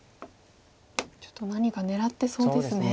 ちょっと何か狙ってそうですね。